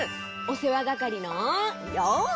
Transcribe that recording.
おせわがかりのようせい！